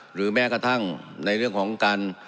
หรือแม้กระทั่งในเรื่องของการ